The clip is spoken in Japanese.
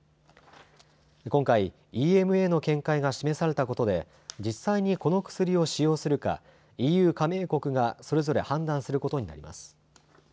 今回、ＥＭＡの見解が示されたことで実際にこの薬を使用するかＥＵ加盟国がそれぞれ判断することになります。